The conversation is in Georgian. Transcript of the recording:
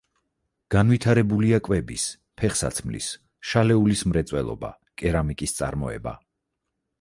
განვითარებულია კვების, ფეხსაცმლის, შალეულის მრეწველობა, კერამიკის წარმოება.